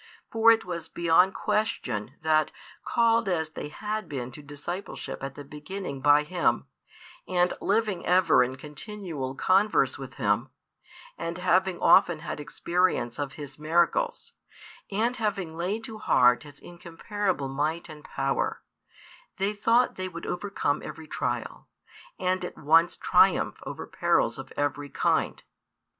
For it was beyond question, that, called as they had been to discipleship at the beginning by Him, and living ever in continual converse with Him, and having often had experience of His miracles, and having laid to heart His incomparable might and power, they thought they would overcome every trial, |439 and at once triumph over perils of every kind.